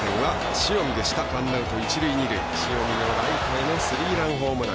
塩見のライトへのスリーランホームラン。